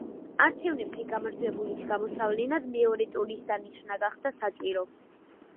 არჩევნებში გამარჯვებულის გამოსავლენად მეორე ტურის დანიშვნა გახდა საჭირო.